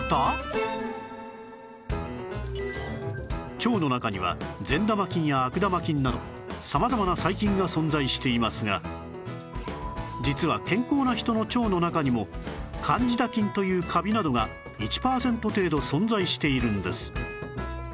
腸の中には善玉菌や悪玉菌など様々な細菌が存在していますが実は健康な人の腸の中にもカンジダ菌というカビなどが１パーセント程度存在しているんです